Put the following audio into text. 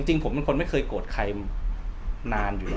จริงผมเป็นคนไม่เคยโกรธใครนานอยู่แล้ว